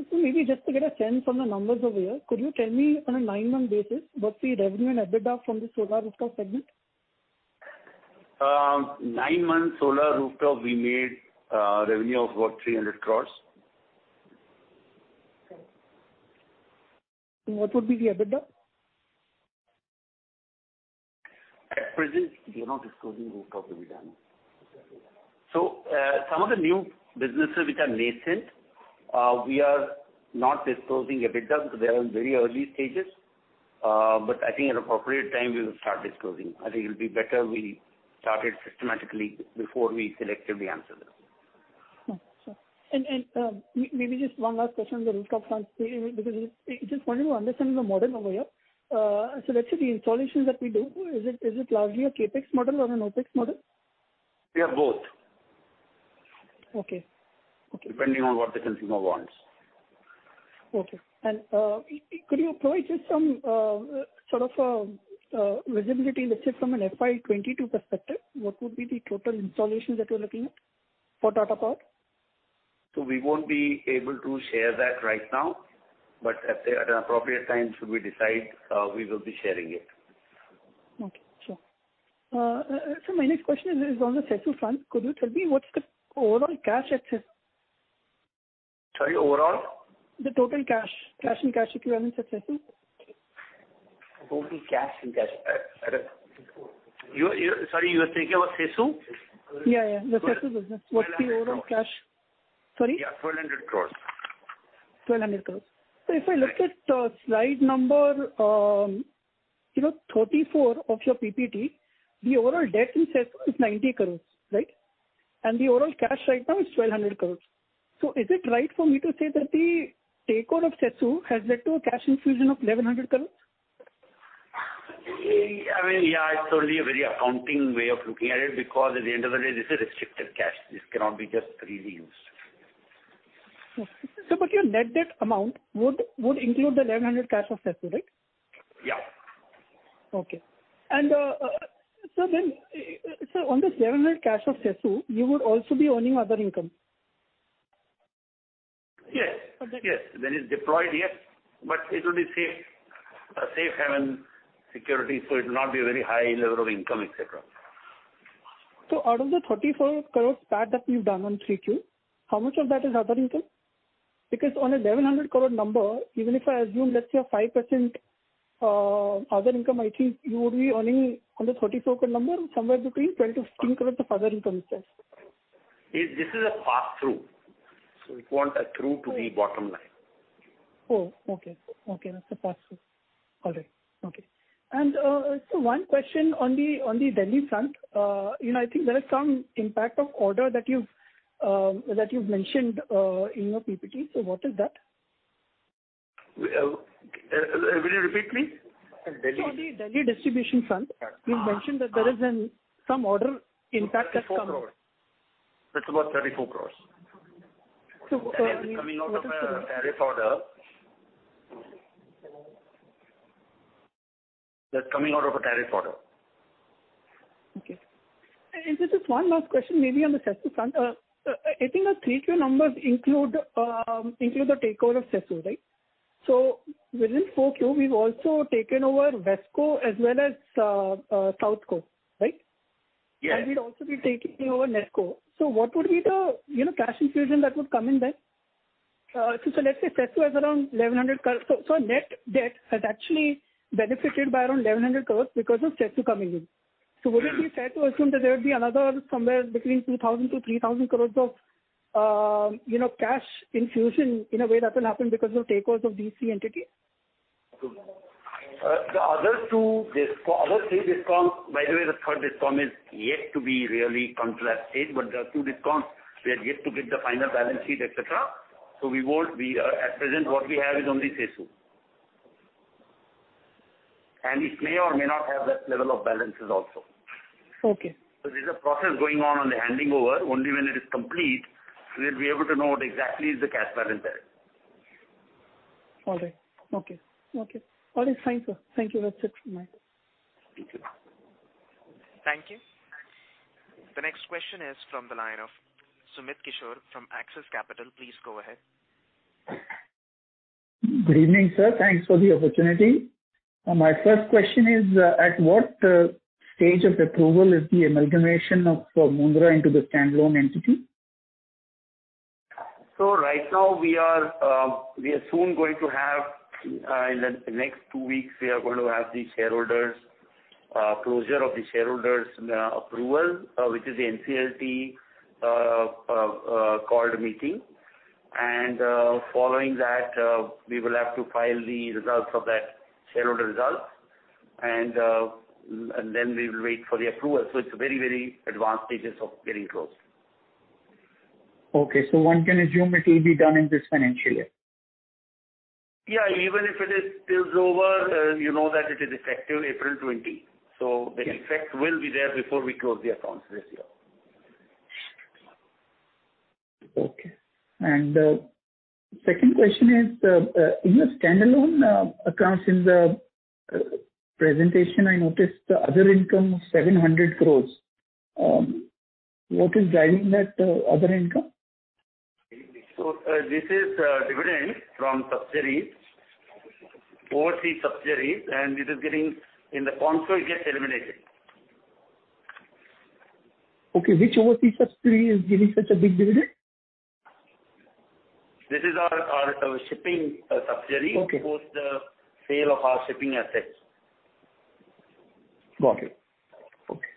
Okay. Maybe just to get a sense from the numbers over here, could you tell me on a nine month basis, what's the revenue and EBITDA from the solar rooftop segment? Nine months solar rooftop, we made revenue of about 300 crore. Okay. What would be the EBITDA? At present, we are not disclosing rooftop EBITDA. Some of the new businesses which are nascent, we are not disclosing EBITDA because they are in very early stages. I think at appropriate time, we will start disclosing. I think it'll be better we start it systematically before we selectively answer them. Okay. Sure. Maybe just one last question on the rooftop front, because I just wanted to understand the model over here. Let's say the installations that we do, is it largely a CapEx model or an OpEx model? We have both. Okay. Depending on what the consumer wants. Okay. Could you provide just some sort of visibility, let's say, from an FY 2022 perspective, what would be the total installations that you're looking at for Tata Power? We won't be able to share that right now, but at an appropriate time should we decide, we will be sharing it. Okay. Sure. Sir, my next question is on the CESU front. Could you tell me what's the overall cash at CESU? Sorry, overall? The total cash and cash equivalents at CESU. Total cash. Sorry, you're thinking about CESU? Yeah. The CESU business. What's the overall cash? Sorry? Yeah, INR 1,200 crores. INR 1,200 crores. If I look at slide number 34 of your PPT, the overall debt in CESU is 90 crores, right? The overall cash right now is 1,200 crores. Is it right for me to say that the takeout of CESU has led to a cash infusion of 1,100 crores? I mean, yeah, it's only a very accounting way of looking at it, because at the end of the day, this is restricted cash. This cannot be just freely used. Okay. Your net debt amount would include the 1,100 cash of CESU, right? Yeah. Okay. Sir, on this 1,100 cash of CESU, you would also be earning other income. Yes. When it's deployed, yes. It will be safe haven security, so it'll not be a very high level of income, et cetera. Out of the 34 crore PAT that you've done on 3Q, how much of that is other income? On 1,100 crore number, even if I assume, let's say, a 5% other income, I think you would be earning on the INR 34 crore number, somewhere between INR 20 crore-INR 15 crore of other income itself. This is a pass-through. It won't get through to the bottom line. Oh, okay. That's a pass-through. All right. Okay. Sir, one question on the Delhi front. I think there is some impact of order that you've mentioned in your PPT. What is that? Will you repeat please? On the Delhi distribution front. You mentioned that there is some order impact that's coming. It's about 34 crores. That's coming out of a tariff order. Okay. Sir, just one last question, maybe on the CESU front. I think the 3Q numbers include the takeover of CESU, right? Within 4Q, we've also taken over WESCO as well as SOUTHCO, right? Yes. We'll also be taking over NESCO. What would be the cash infusion that would come in there? Let's say CESU has around 1,100 crores. Our net debt has actually benefited by around 1,100 crores because of CESU coming in. Would it be fair to assume that there would be another somewhere between 2,000 crores-3,000 crores of cash infusion in a way that will happen because of takeovers of these three entities? The other three DISCOMs, by the way, the third DISCOM is yet to be really contracted, but there are two DISCOMs we are yet to get the final balance sheet, et cetera. We won't. At present, what we have is only CESU. It may or may not have that level of balances also. Okay. There's a process going on the handing over. Only when it is complete, we'll be able to know what exactly is the cash balance there. All right. Okay. All right. Thanks, sir. Thank you. That's it from my end. Thank you. Thank you. The next question is from the line of Sumit Kishore from Axis Capital. Please go ahead. Good evening, sir. Thanks for the opportunity. My first question is, at what stage of approval is the amalgamation of Mundra into the standalone entity? Right now, in the next two weeks, we are going to have the closure of the shareholders approval, which is the NCLT called meeting. Following that, we will have to file the results of that shareholder results. Then we will wait for the approval. It's very advanced stages of getting closed. Okay, one can assume it will be done in this financial year. Yeah. Even if it is over, you know that it is effective April 20. The effect will be there before we close the accounts this year. Okay. Second question is, in the standalone accounts in the presentation, I noticed other income, 700 crores. What is driving that other income? This is dividend from subsidiaries, overseas subsidiaries, and in the consol, it gets eliminated. Okay. Which overseas subsidiary is giving such a big dividend? This is our shipping subsidiary. Okay for the sale of our shipping assets. Got it. Okay.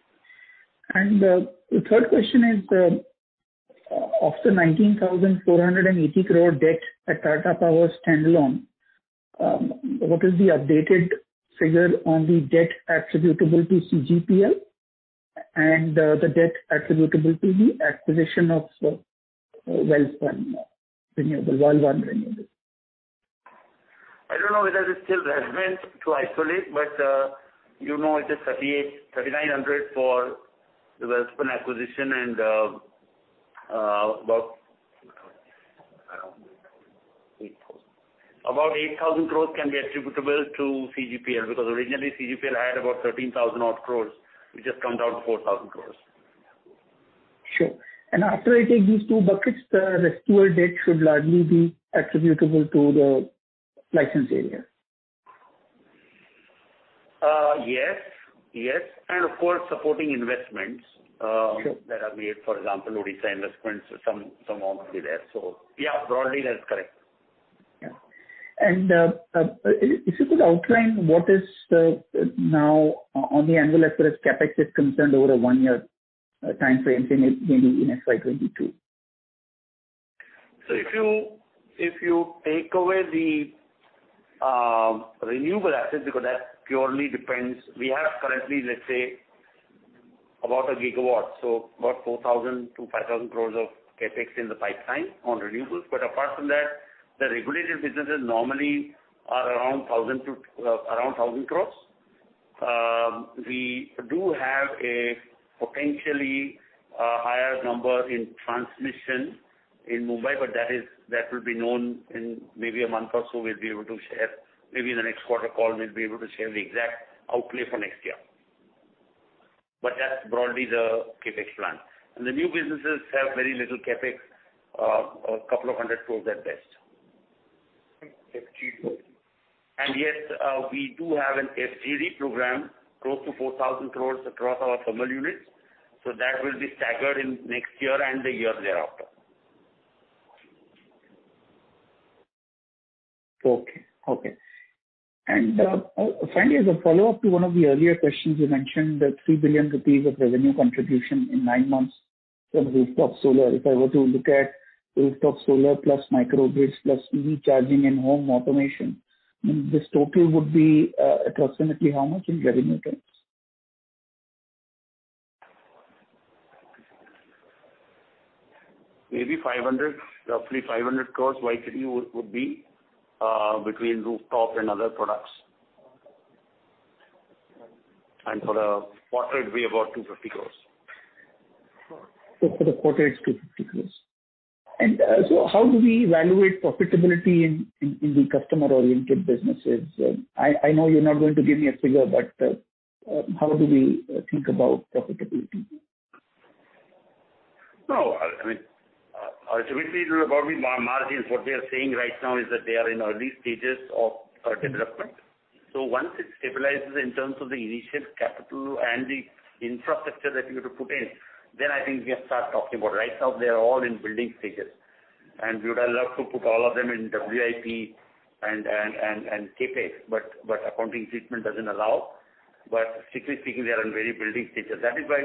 The third question is, of the 19,480 crore debt at Tata Power standalone, what is the updated figure on the debt attributable to CGPL and the debt attributable to the acquisition of Welspun Renewables? I don't know whether it still has been to isolate, but you know it is 3,900 for the Welspun acquisition and about 8,000 crores can be attributable to CGPL, because originally CGPL had about 13,000 odd crores. We just count out 4,000 crores. Sure. After I take these two buckets, the residual debt should largely be attributable to the license area. Yes. Of course, supporting investments. Sure that are made, for example, Odisha investments, some amount will be there. Yeah, broadly, that's correct. Yeah. Is it good to outline what is now on the annual as far as CapEx is concerned over a one-year timeframe, maybe in FY 2022? If you take away the renewable assets, because that purely depends. We have currently, let's say, about 1 GW, so about 4,000 crore-5,000 crore of CapEx in the pipeline on renewables. Apart from that, the regulated businesses normally are around 1,000 crore. We do have a potentially higher number in transmission in Mumbai, but that will be known in maybe a month or so, we'll be able to share. Maybe in the next quarter call, we'll be able to share the exact outlay for next year. That's broadly the CapEx plan. The new businesses have very little CapEx, 200 crore at best. FGD. Yes, we do have an FGD program close to 4,000 crores across our thermal units. That will be staggered in next year and the year thereafter. Okay. Finally, as a follow-up to one of the earlier questions, you mentioned that 3 billion rupees of revenue contribution in nine months from rooftop solar. If I were to look at rooftop solar plus microgrids, plus EV charging and home automation, this total would be approximately how much in revenue terms? Maybe roughly 500 crores YTD would be between rooftop and other products. For the quarter, it'd be about 250 crores. For the quarter, it's 250 crores. How do we evaluate profitability in the customer oriented businesses? I know you're not going to give me a figure, but how do we think about profitability? No, I mean, ultimately, it will about be margins. What they are saying right now is that they are in early stages of development. Once it stabilizes in terms of the initial capital and the infrastructure that you have to put in, then I think we can start talking about it. Right now, they are all in building stages, and we would have loved to put all of them in WIP and CapEx, but accounting treatment doesn't allow. Strictly speaking, they are in very building stages. That is why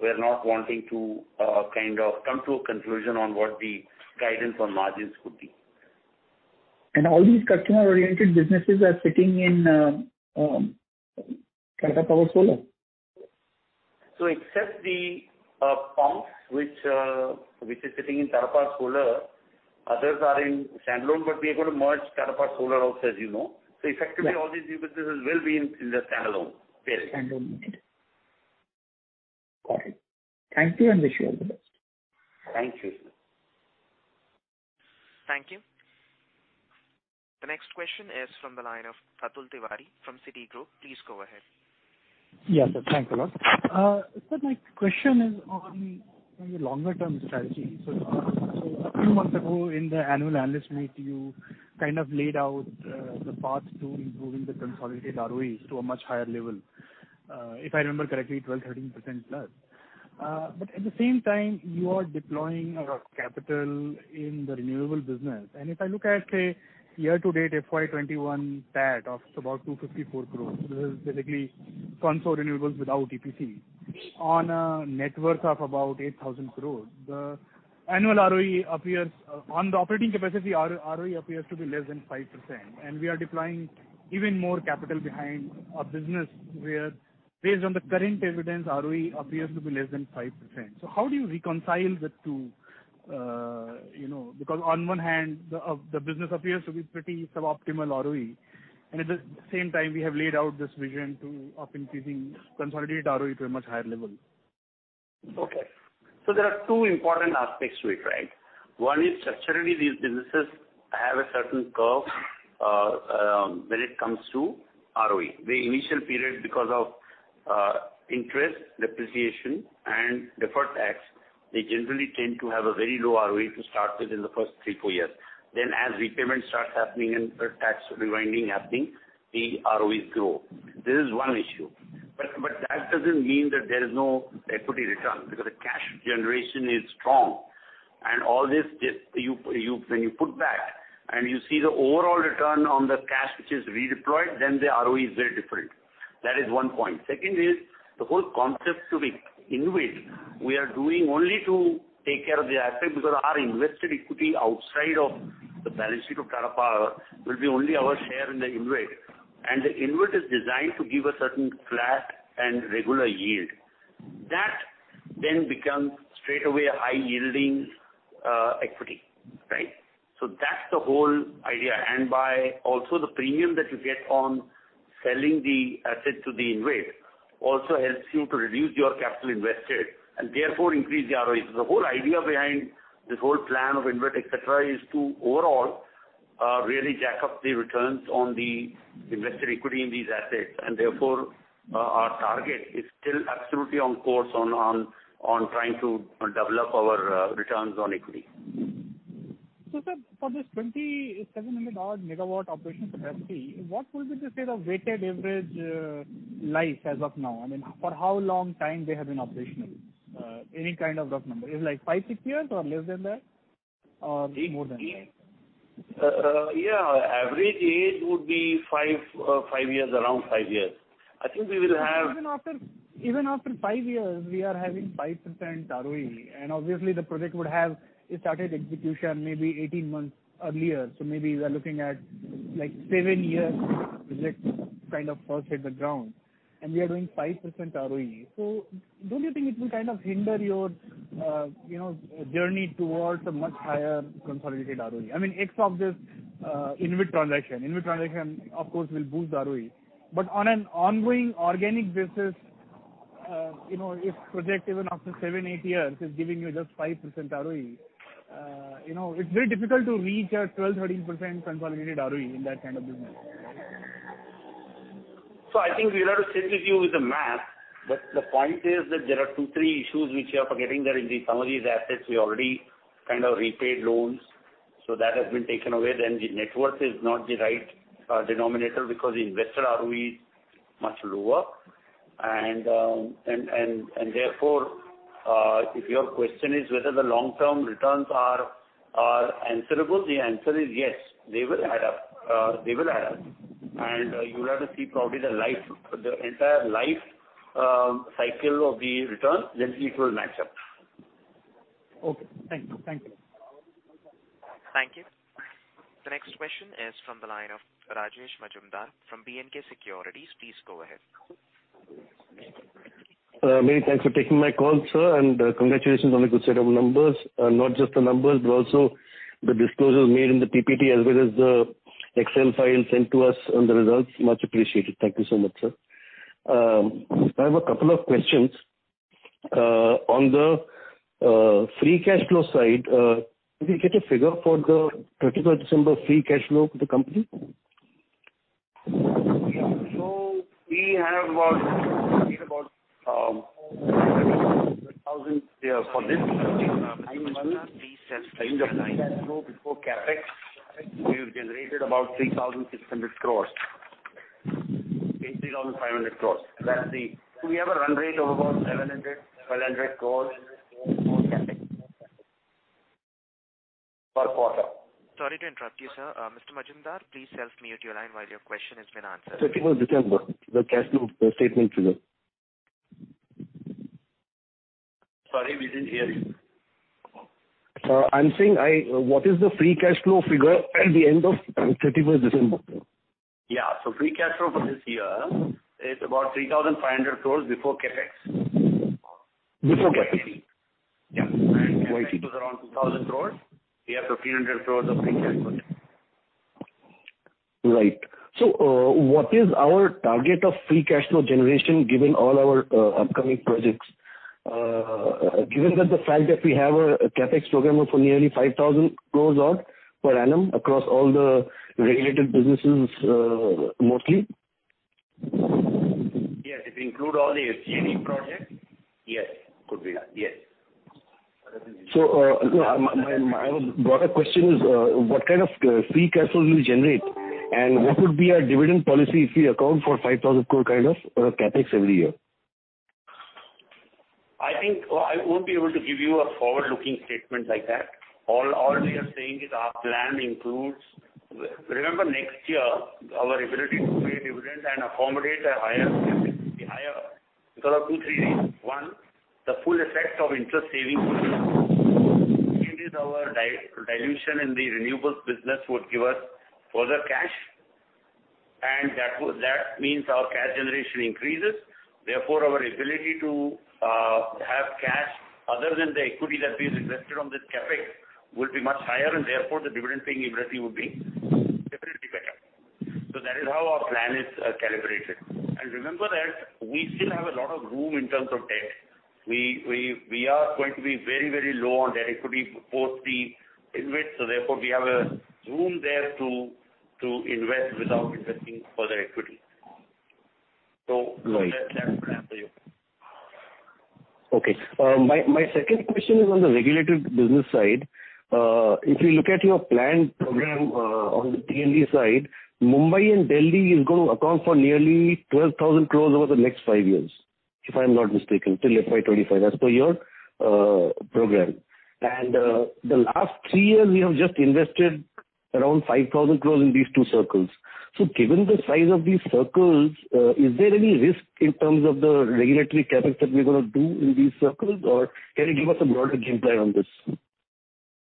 we're not wanting to come to a conclusion on what the guidance on margins could be. All these customer oriented businesses are sitting in Tata Power Solar? Except the pumps, which are sitting in Tata Power Solar, others are in standalone, but we are going to merge Tata Power Solar also, as you know. Effectively, all these new businesses will be in the standalone space. Standalone. Got it. Thank you and wish you all the best. Thank you, sir. Thank you. The next question is from the line of Atul Tiwari from Citigroup. Please go ahead. Yes, sir. Thanks a lot. Sir, my question is on your longer-term strategy. A few months ago in the annual analyst meet, you laid out the path to improving the consolidated ROEs to a much higher level. If I remember correctly, 12%, 13% plus. At the same time, you are deploying capital in the renewable business. If I look at year-to-date FY 2021 PAT of about 254 crore. This is basically consol renewables without EPC. On a net worth of about 8,000 crore. On the operating capacity, ROE appears to be less than 5%, and we are deploying even more capital behind a business where, based on the current evidence, ROE appears to be less than 5%. How do you reconcile the two? On one hand, the business appears to be pretty suboptimal ROE, and at the same time, we have laid out this vision of increasing consolidated ROE to a much higher level. Okay. There are two important aspects to it. One is structurally, these businesses have a certain curve when it comes to ROE. The initial period, because of interest, depreciation, and deferred tax, they generally tend to have a very low ROE to start with in the first three, four years. As repayments start happening and deferred tax rewinding happening, the ROEs grow. This is one issue. That doesn't mean that there is no equity return because the cash generation is strong. All this, when you put back and you see the overall return on the cash which is redeployed, then the ROE is very different. That is one point. Second is the whole concept to the InvIT. We are doing only to take care of the asset because our invested equity outside of the balance sheet of Tata Power will be only our share in the InvIT. The InvIT is designed to give a certain flat and regular yield. That then becomes straight away a high-yielding equity. That's the whole idea. By also the premium that you get on selling the asset to the InvIT also helps you to reduce your capital invested and therefore increase the ROE. The whole idea behind this whole plan of InvIT, et cetera, is to overall really jack up the returns on the invested equity in these assets, and therefore, our target is still absolutely on course on trying to develop our returns on equity. Sir, for this 2,700-odd MW operational capacity, what will be the weighted average life as of now? I mean, for how long time they have been operational? Any kind of rough number. Is it five, six years or less than that or more than that? Yeah, average age would be five years, around five years. Even after five years, we are having 5% ROE, and obviously the project would have started execution maybe 18 months earlier. Maybe we are looking at seven years since the project first hit the ground, and we are doing 5% ROE. Don't you think it will hinder your journey towards a much higher consolidated ROE? I mean, x of this InvIT transaction. InvIT transaction, of course, will boost the ROE. On an ongoing organic basis, if project even after seven, eight years is giving you just 5% ROE, it's very difficult to reach a 12%, 13% consolidated ROE in that kind of business. I think we will have to sit with you with the math. The point is that there are two, three issues which you are forgetting there. In some of these assets, we already repaid loans, so that has been taken away. The net worth is not the right denominator because the invested ROE is much lower. Therefore, if your question is whether the long-term returns are answerable, the answer is yes, they will add up. You will have to see probably the entire life cycle of the return, then it will match up. Okay. Thank you. Thank you. The next question is from the line of Rajesh Majumdar from B&K Securities. Please go ahead. Many thanks for taking my call, sir, and congratulations on the good set of numbers, not just the numbers, but also the disclosures made in the PPT as well as the Excel file sent to us on the results. Much appreciated. Thank you so much, sir. I have a couple of questions. On the free cash flow side, did we get a figure for the 31st December free cash flow for the company? We have made about for this nine months. Free cash flow before CapEx, we've generated about 3,600 crores. 3,500 crores. We have a run rate of about 700 crores, 500 crores before CapEx per quarter. Sorry to interrupt you, sir. Mr. Majumdar, please self-mute your line while your question is being answered. 31st December, the cash flow statement figure. Sorry, we didn't hear you. I'm saying, what is the free cash flow figure at the end of 31st December? Yeah. Free cash flow for this year is about 3,500 crores before CapEx. Before CapEx? Yeah. Right. CapEx was around 2,000 crores. We have 1,500 crores of free cash flow. Right. What is our target of free cash flow generation given all our upcoming projects? Given that the fact that we have a CapEx program of nearly 5,000 crores odd per annum across all the regulated businesses mostly. Yes, if you include all the FGD projects. Yes, could be. Yes. My broader question is, what kind of free cash flow will you generate? What would be our dividend policy if we account for 5,000 crore kind of CapEx every year? I think I won't be able to give you a forward-looking statement like that. All we are saying is our plan includes Remember, next year, our ability to pay dividend and accommodate a higher CapEx will be higher because of two, three reasons. One, the full effect of interest saving will be there. Two, second is our dilution in the renewables business would give us further cash, and that means our cash generation increases. Therefore, our ability to have cash other than the equity that we have invested on this CapEx will be much higher, and therefore the dividend paying ability will be definitely better. That is how our plan is calibrated. Remember that we still have a lot of room in terms of debt. We are going to be very low on that equity post the InvITs, so therefore we have a room there to invest without investing further equity. Right. That's my answer to you. Okay. My second question is on the regulated business side. If you look at your planned program on the T&D side, Mumbai and Delhi is going to account for nearly 12,000 crores over the next five years, if I'm not mistaken, till FY 2025, as per your program. The last three years, we have just invested around 5,000 crores in these two circles. Given the size of these circles, is there any risk in terms of the regulatory CapEx that we're going to do in these circles, or can you give us a broader game plan on this?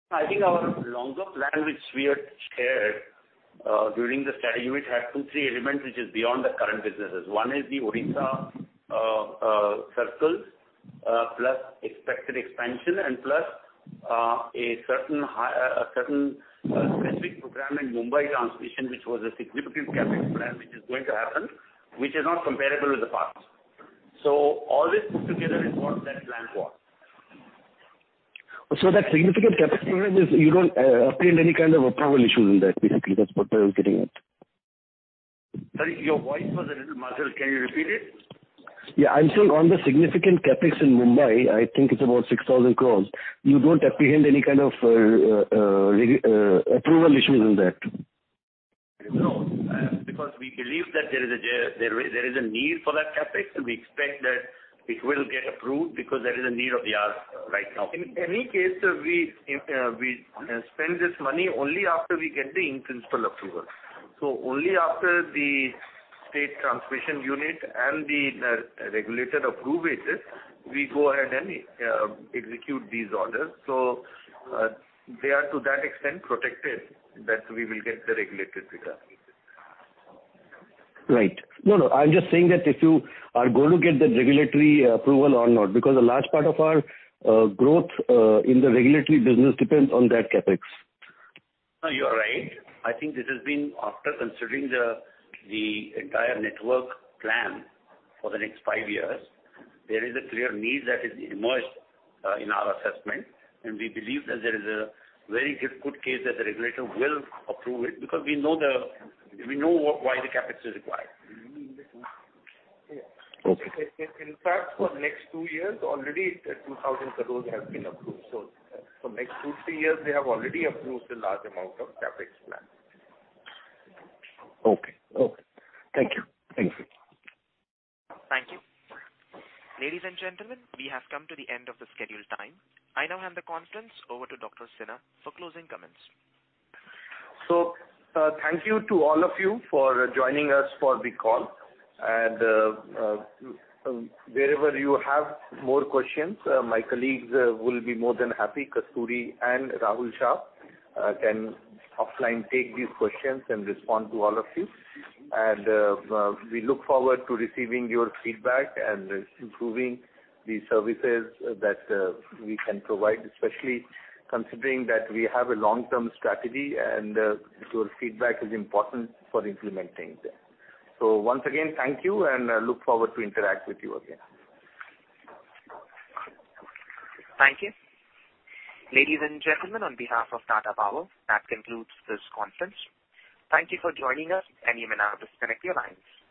I think our longer plan which we had shared during the strategy unit had two, three elements which is beyond the current businesses. One is the Odisha circles, plus expected expansion, and plus a certain specific program in Mumbai transmission which was a significant CapEx plan which is going to happen, which is not comparable with the past. All this put together is what that plan was. That significant CapEx plan is you don't apprehend any kind of approval issues in that, basically. That's what I was getting at. Sorry, your voice was a little muffled. Can you repeat it? Yeah. I'm saying on the significant CapEx in Mumbai, I think it's about 6,000 crores. You don't apprehend any kind of approval issues in that? No. We believe that there is a need for that CapEx, and we expect that it will get approved because there is a need of the hour right now. In any case, we spend this money only after we get the in-principle approval. Only after the state transmission unit and the regulator approve it, we go ahead and execute these orders. They are to that extent protected that we will get the regulatory return. Right. No, I'm just saying that if you are going to get the regulatory approval or not, because a large part of our growth in the regulatory business depends on that CapEx. No, you are right. I think this has been after considering the entire network plan for the next five years. There is a clear need that has emerged in our assessment, and we believe that there is a very good case that the regulator will approve it because we know why the CapEx is required. Okay. In fact, for next two years, already 2,000 crores have been approved. For next two, three years, they have already approved a large amount of CapEx plan. Okay. Thank you. Thank you. Thank you. Ladies and gentlemen, we have come to the end of the scheduled time. I now hand the conference over to Dr. Sinha for closing comments. Thank you to all of you for joining us for the call. Wherever you have more questions, my colleagues will be more than happy. Kasturi and Rahul Shah can offline take these questions and respond to all of you. We look forward to receiving your feedback and improving the services that we can provide, especially considering that we have a long-term strategy and your feedback is important for implementing that. Once again, thank you, and look forward to interact with you again. Thank you. Ladies and gentlemen, on behalf of Tata Power, that concludes this conference. Thank you for joining us, and you may now disconnect your lines.